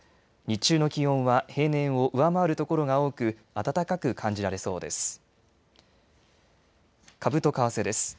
日中の気温は平年を上回る所が多く暖かく感じられそうです。